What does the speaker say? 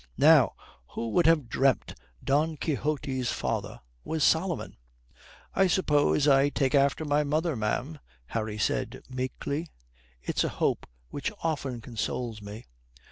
"Now, who would have dreamt Don Quixote's father was Solomon?" "I suppose I take after my mother, ma'am," Harry said meekly. "It's a hope which often consoles me."